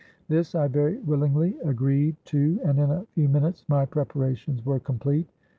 This I very willingly agreed to, and in a few minutes my preparations were complete.